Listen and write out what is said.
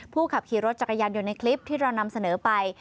ขับขี่รถจักรยานยนต์ในคลิปที่เรานำเสนอไป